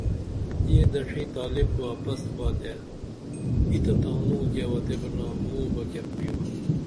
یہ دڇھی تالب واپس با تے ای تہ تانو کی اوتے بِرنا موہ بہ کیہ پِریو